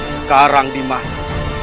sekarang di mana